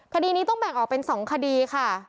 คดีนี้ต้องแบ่งออกเป็น๒คดีค่ะ